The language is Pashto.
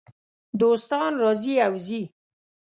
دوستان راځي او ځي .